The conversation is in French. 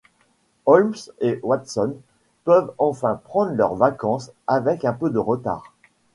Holmes et Watson peuvent enfin prendre leurs vacances, avec un peu de retard.